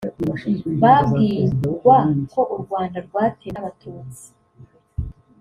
Babwirwa ko u Rwanda rwatewe n’Abatutsi